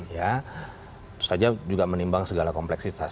ya tentu saja juga menimbang segala kompleksitas